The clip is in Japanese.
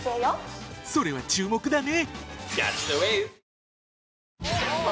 それは注目だね。